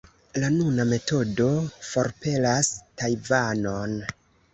La nuna metodo forpelas Tajvanon.